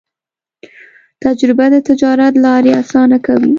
تجربه د تجارت لارې اسانه کوي.